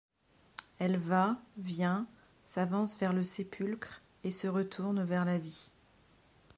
Elle va, vient, s’avance vers le sépulcre, et se retourne vers la vie.